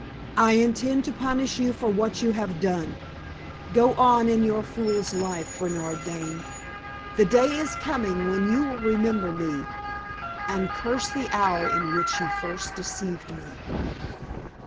I intend to punish you for what you have done. Go on in your fool's life, Bernard Dane; the day is coming when you will remember me, and curse the hour in which you first deceived me!"